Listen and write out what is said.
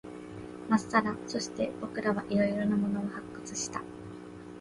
まっさら。そして、僕らは色々なものを発掘した。